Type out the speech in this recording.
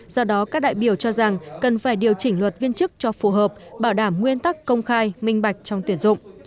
do đó các đại biểu cho rằng cần phải điều chỉnh luật viên chức cho phù hợp bảo đảm nguyên tắc công khai minh bạch trong tuyển dụng